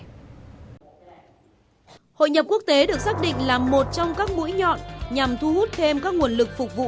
hội nhập quốc tế được xác định là một trong các mũi nhọn nhằm thu hút thêm các nguồn lực phục vụ